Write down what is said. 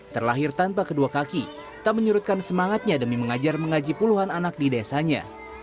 terlahir tanpa kedua kaki tak menyurutkan semangatnya demi mengajar mengaji puluhan anak di desanya